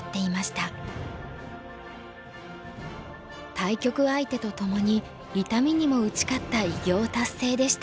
対局相手とともに痛みにも打ち勝った偉業達成でした。